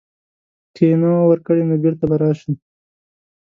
که یې نه وه ورکړې نو بیرته به راشم.